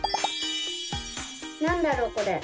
なんだろうこれ？